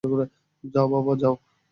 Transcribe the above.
যাও, বাবা যাও।